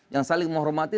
yang saling menghormati